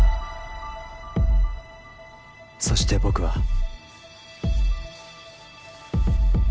そして僕は。